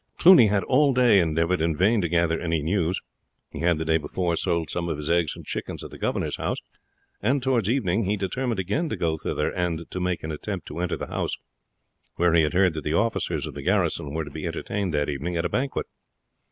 Cluny had all day endeavoured in vain to gather any news. He had the day before sold some of his eggs and chickens at the governor's house, and towards evening he determined again to go thither and to make an attempt to enter the house, where he had heard that the officers of the garrison were to be entertained that evening at a banquet.